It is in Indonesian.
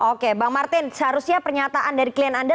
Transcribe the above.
oke bang martin seharusnya pernyataan dari klien anda